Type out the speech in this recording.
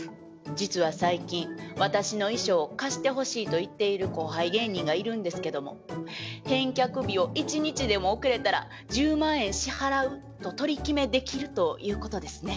実は最近私の衣装を借してほしいと言っている後輩芸人がいるんですけども「返却日を１日でも遅れたら１０万円支払う」と取り決めできるということですね？